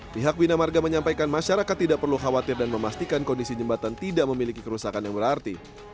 pihak bina marga menyampaikan masyarakat tidak perlu khawatir dan memastikan kondisi jembatan tidak memiliki kerusakan yang berarti